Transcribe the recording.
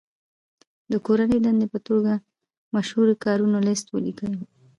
د کورنۍ دندې په توګه مشهورو کارونو لست ولیکئ.